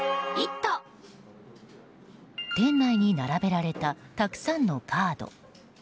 店内に並べられたたくさんのカード。